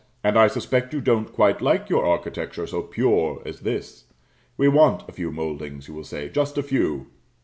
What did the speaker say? And I suspect you don't quite like your architecture so "pure" as this. We want a few mouldings, you will say just a few.